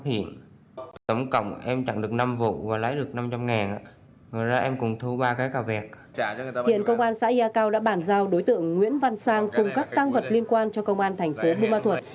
hiện công an xã yà cao đã bản giao đối tượng nguyễn văn sang cùng các tăng vật liên quan cho công an thành phố bùa ba thuột